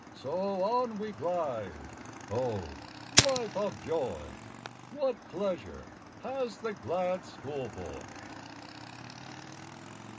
So on we glide O, life of joy; What pleasure has the glad school boy!